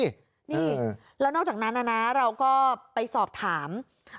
นี่แล้วนอกจากนั้นนะเราก็ไปสอบถาม